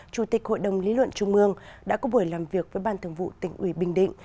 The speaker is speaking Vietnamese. chủ tịch hội đồng lý luận trung mương đã có buổi làm việc với ban thường vụ tỉnh ủy bình định